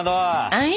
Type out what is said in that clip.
はい。